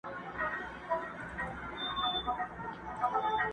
نه پر چا احسان د سوځېدو لري؛